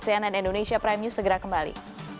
cnn indonesia prime news segera kembali